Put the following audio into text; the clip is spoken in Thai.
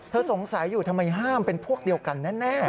สงสัยอยู่ทำไมห้ามเป็นพวกเดียวกันแน่